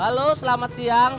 halo selamat siang